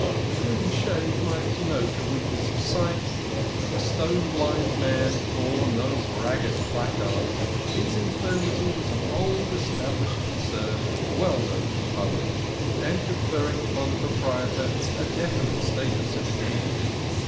A green shade might denote weakness of sight, but the stone blind man bore no braggart placard his infirmity was an old estab lished concern well known to the public, and conferring upon the proprietor a definite status in the community.